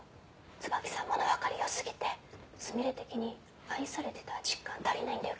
椿さん物分かり良過ぎて純恋的に愛されてた実感足りないんだよ